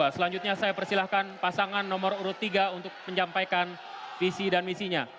selanjutnya saya persilahkan pasangan nomor urut tiga untuk menjampaikan visi dan misinya